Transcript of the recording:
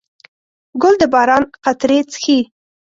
ګل د باران قطرې څښي.